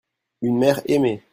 une mère aimée.